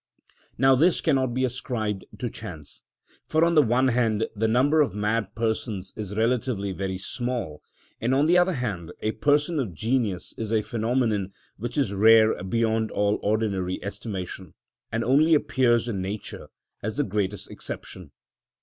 Now this cannot be ascribed to chance, for on the one hand the number of mad persons is relatively very small, and on the other hand a person of genius is a phenomenon which is rare beyond all ordinary estimation, and only appears in nature as the greatest exception.